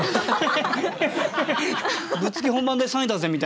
「ぶっつけ本番で３位だぜ」みたいな。